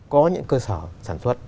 có những cơ sở sản xuất